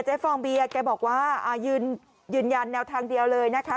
ฟองเบียร์แกบอกว่ายืนยันแนวทางเดียวเลยนะคะ